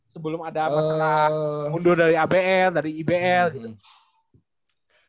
sebelum ada masalah mundur dari abl dari ibl gitu